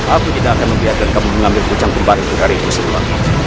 aku tidak akan membiarkan kamu mengambil ku cam day aku dari kita